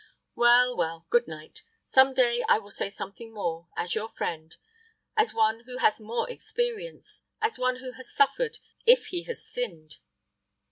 Well, well good night. Some day I will say something more, as your friend as one who has more experience as one who has suffered, if he has sinned."